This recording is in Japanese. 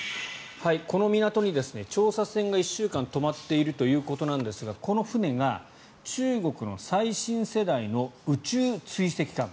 この港に調査船が１週間止まっているということなんですがこの船が中国の最新世代の宇宙追跡艦。